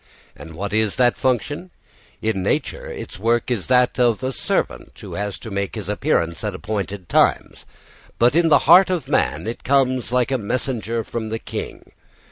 And what is that function? In nature its work is that of a servant who has to make his appearance at appointed times, but in the heart of man it comes like a messenger from the King.